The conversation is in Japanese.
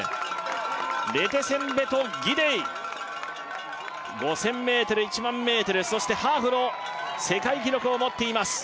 レテセンベト・ギデイ５０００ｍ１００００ｍそしてハーフの世界記録を持っています